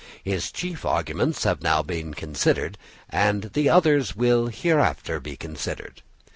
His chief arguments have now been considered, and the others will hereafter be considered.